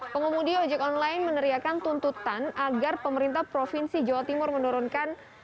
pengemudi ojek online meneriakan tuntutan agar pemerintah provinsi jawa timur menurunkan